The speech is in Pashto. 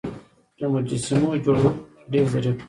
د مجسمو جوړولو هنر ډیر ظریف و